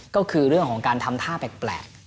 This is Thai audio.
ก็คือเรื่องของการทำท่าแปลก